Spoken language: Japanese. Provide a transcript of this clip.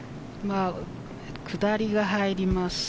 下りが入ります。